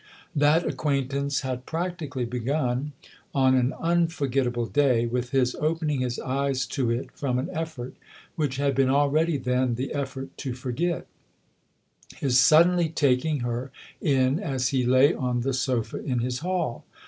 That acquaintance had practically begun, on an un forgettable day, with his opening his eyes to it from an effort which had been already then the effort to forget his suddenly taking her in as he lay on the sofa in his hall.